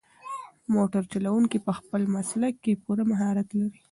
موټر چلونکی په خپل مسلک کې پوره مهارت لري.